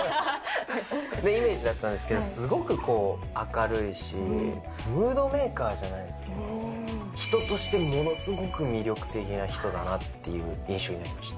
イメージだったんですけれども、すごく明るいし、ムードメーカーじゃないですけど、人としてものすごく魅力的な人だなっていう印象になりました。